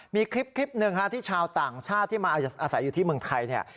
มีคลิปหนึ่งที่ชาวต่างชาติที่มาอาศัยอยู่ที่เมืองไทยเนี่ย